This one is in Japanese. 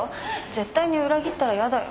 絶対に裏切ったらやだよ。